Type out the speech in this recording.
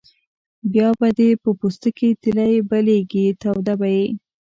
بیا به دې په پوستکي تیلی بلېږي توده به یې.